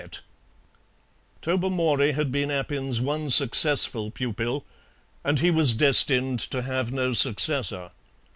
Tobermory had been Appin's one successful pupil, and he was destined to have no successor.